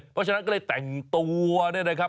เพราะฉะนั้นก็เลยแต่งตัวเนี่ยนะครับ